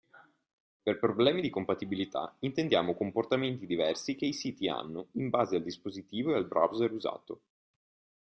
Per problemi di compatibilità intendiamo comportamenti diversi che i siti hanno in base al dispositivo e al browser usato.